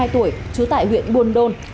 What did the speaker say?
hai mươi hai tuổi chứa tại huyện buôn đôn